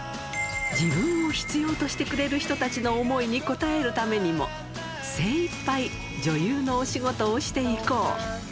自分を必要としてくれる人たちの思いに応えるためにも、精いっぱい女優のお仕事をしていこう。